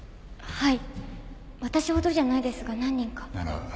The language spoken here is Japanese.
はい！